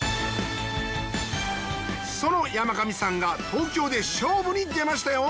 その山上さんが東京で勝負に出ましたよ。